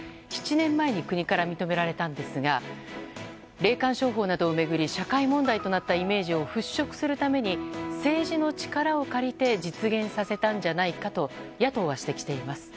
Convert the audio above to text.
７年前に国から認められたんですが霊感商法などを巡り社会問題になったイメージを払拭するために政治の力を借りて実現させたんじゃないかと野党は指摘しています。